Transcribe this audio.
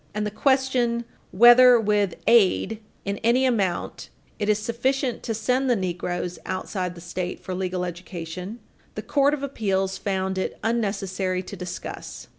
485, 486), and the question "whether with aid in any amount it is sufficient to send the negroes outside the State for legal education" the Court of Appeals found it unnecessary to discuss.